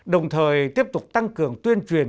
đồng thời tiếp tục tăng cường tuyên truyền